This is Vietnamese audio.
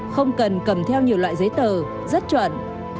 không cần cầm theo nhiều loại giấy tờ rất chuẩn